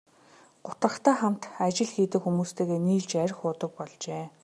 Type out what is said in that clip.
Гутрахдаа хамт ажил хийдэг хүмүүстэйгээ нийлж архи уудаг болжээ.